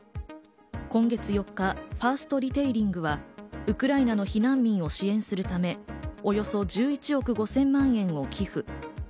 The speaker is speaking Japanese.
今月４日、ファーストリテイリングはウクライナの避難民を支援するため、およそ１１億５０００万円を寄付。